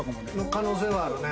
可能性あるね。